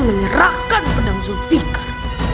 menyerahkan pedang zulfiqar